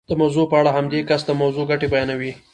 د موضوع په اړه په همدې کس د موضوع ګټې بیانوئ.